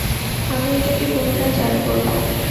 আমি এটাকে পুনরায় চালু করব।